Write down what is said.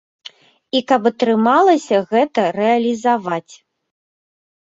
І каб атрымалася гэта рэалізаваць.